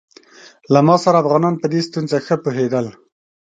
له ما سره افغانان په دې ستونزه ښه پوهېدل.